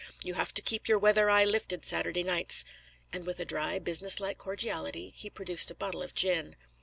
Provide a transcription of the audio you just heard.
You have to keep your weather eye lifting Saturday nights." And with a dry, business like cordiality, he produced a bottle of gin.